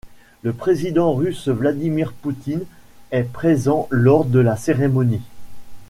Le président russe Vladimir Poutine est présent lors de la cérémonie.